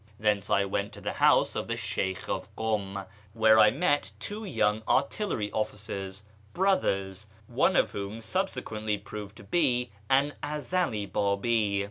Thence I went to the house of the Sheykh of Kum, where I met two young artillery officers, brothers, one of whom subsequently proved to be an Ezeli Babi.